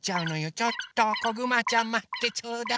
ちょっとこぐまちゃんまってちょうだい。